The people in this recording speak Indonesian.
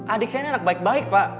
adik saya ini anak baik baik pak